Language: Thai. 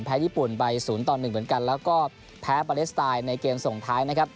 แพ้ญี่ปุ่นไปศูนย์ตอนหนึ่งเหมือนกันแล้วก็แพ้ปาเลสไตล์ในเกมส่งท้ายนะครับ